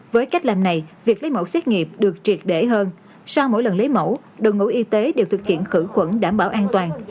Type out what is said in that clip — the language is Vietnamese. với cách làm này việc lấy mẫu xét nghiệm được triệt để hơn sau mỗi lần lấy mẫu đội ngũ y tế đều thực hiện khử khuẩn đảm bảo an toàn